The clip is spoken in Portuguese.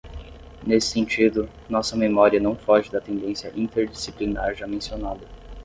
Nesse sentido, nossa memória não foge da tendência interdisciplinar já mencionada.